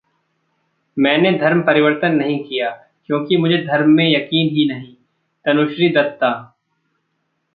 मैंने धर्म परिवर्तन नहीं किया क्योंकि मुझे धर्म में यकीन ही नहीं: तनुश्री दत्ता